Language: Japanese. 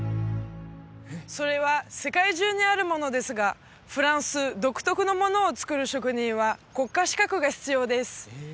それは世界中にあるものですがフランス独特のものを作る職人は国家資格が必要です